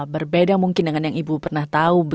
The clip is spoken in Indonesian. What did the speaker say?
berbeda mungkin dengan yang ibu pernah tahu